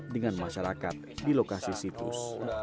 dengan masyarakat di lokasi situs